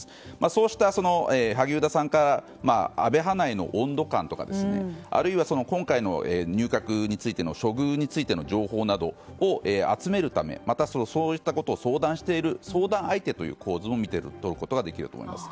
そうした萩生田さんから安倍派内の温度感とかあるいは、今回の入閣についての処遇についての情報などを集めるためまたそういったことを相談している相談相手という構造も見て取れると思います。